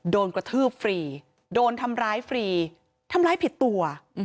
โดนกระทืบฟรีโดนทำร้ายฟรีทำร้ายผิดตัว